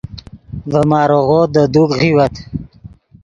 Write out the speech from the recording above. ڤے ماریغو دے دوک غیوت